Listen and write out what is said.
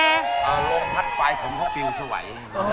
เอ่อลงทัดไปผมเขาปิวชวัย